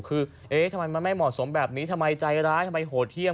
คือเอ๊ะทำไมมันไม่เหมาะสมแบบนี้ทำไมใจร้ายทำไมโหดเยี่ยม